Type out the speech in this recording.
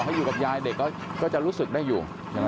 ต่อให้อยู่กับยายเด็กก็จะรู้สึกได้อยู่